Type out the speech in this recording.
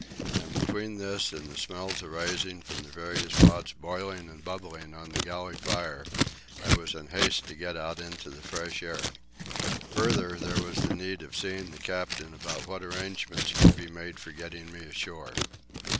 And between this and the smells arising from various pots boiling and bubbling on the galley fire, I was in haste to get out into the fresh air. Further, there was the need of seeing the captain about what arrangements could be made for getting me ashore.